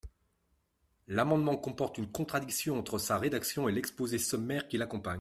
L’amendement comporte une contradiction entre sa rédaction et l’exposé sommaire qui l’accompagne.